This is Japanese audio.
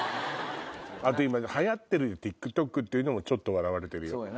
流行ってるのＴｉｋＴｏｋっていうのもちょっと笑われてるよ。